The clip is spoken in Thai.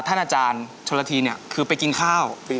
ธ่านอาจารย์ชนลทธีนี่คือไปกินข้าว